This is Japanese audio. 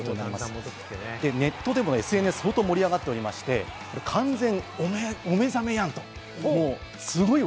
ネットでもＳＮＳ、本当に盛り上がっておりまして、完全お目覚めやんと。